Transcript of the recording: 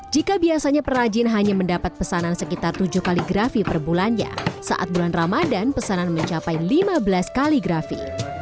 jika biasanya perajin hanya mendapat pesanan sekitar tujuh kaligrafi per bulannya saat bulan ramadan pesanan mencapai lima belas kaligrafi